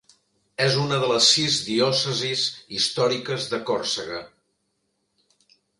És una de les sis diòcesis històriques de Còrsega.